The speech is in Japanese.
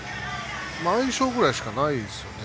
相性ぐらいしかないですよね。